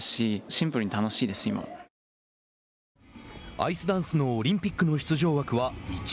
アイスダンスのオリンピックの出場枠は１。